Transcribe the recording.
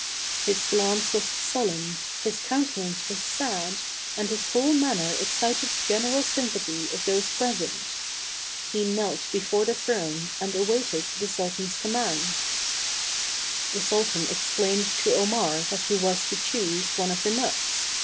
His glance was sullen, his countenance was sad, and his whole manner excited the general sympathy of those present. He knelt before the throne, and awaited the sultan's command. 216 THE CARAVAN \ The sultan explained to Omar that he was to choose one of the nuts.